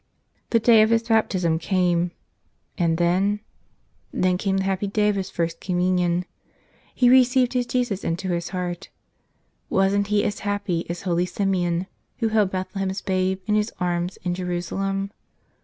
The day of his baptism came. And then? Then came the happy day of his First Communion. He re¬ ceived his Jesus into his heart. Wasn't he as happy as holy Simeon who held Bethlehem's Babe in his arms in Jerusalem?